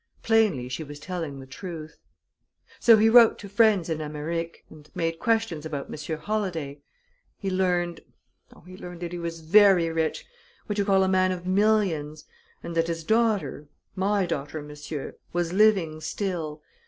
Plainly she was telling the truth. "So he wrote to friends in Amérique, and made questions about Monsieur Holladay. He learned oh, he learned that he was ver' rich what you call a man of millions and that his daughter my daughter, monsieur was living still.